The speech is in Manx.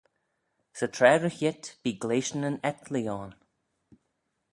Sy traa ry-heet bee gleashtanyn etlee ayn.